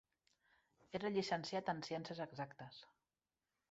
Era llicenciat en Ciències Exactes.